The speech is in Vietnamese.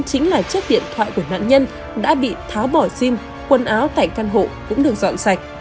chính là chiếc điện thoại của nạn nhân đã bị tháo bỏ sim quần áo tại căn hộ cũng được dọn sạch